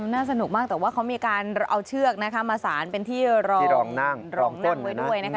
น่าสนุกมากแต่ว่าเขามีการเอาเชือกนะคะมาสารเป็นที่รองนั่งรองนั่งไว้ด้วยนะคะ